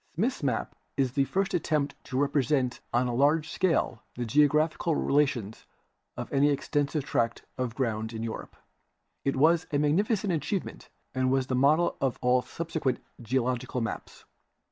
Smith's map is the first attempt to represent on a large scale the geological relations of any extensive tract of ground in Europe. I\ was a. magnificent achievement and was the model of all subsequent geological maps.